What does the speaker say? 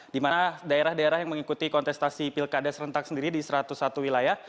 di mana daerah daerah yang mengikuti kontestasi pilkada serentak sendiri di satu ratus satu wilayah